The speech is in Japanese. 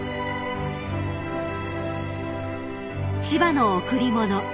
［『千葉の贈り物』］